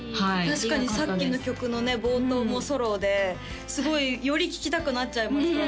確かにさっきの曲のね冒頭もソロですごいより聴きたくなっちゃいました